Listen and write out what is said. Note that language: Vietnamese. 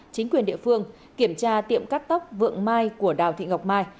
chính quyền địa phương kiểm tra tiệm cắt tóc vượng mai của đào thị ngọc mai